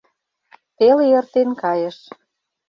Теле эртен кайыш.